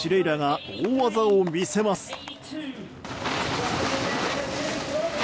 楽が大技を見せます。